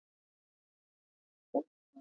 کندهار د افغانستان د هیوادوالو لپاره ویاړ دی.